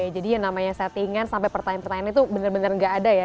jadi yang namanya settingan sampai pertanyaan pertanyaan itu benar benar enggak ada ya